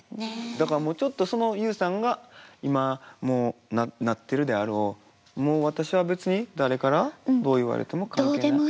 だからもうちょっとそのＹＯＵさんが今もうなってるであろうもう私は別に誰からどう言われても関係ない。